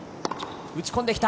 打ち込んできた。